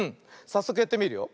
さっそくやってみるよ。